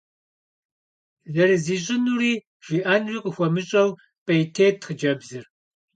Зэрызищӏынури жиӏэнури къыхуэмыщӏэу, пӏейтейт хъыджэбзыр.